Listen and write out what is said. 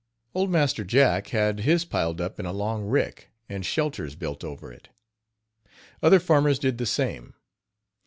Old Master Jack had his piled up in a long rick, and shelters built over it. Other farmers did the same.